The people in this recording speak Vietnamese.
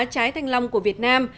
trái thanh long của việt nam